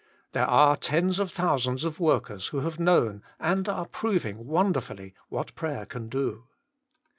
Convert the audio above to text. There are tens of thousands of workers who have known and are proving wonder fully what prayer can do.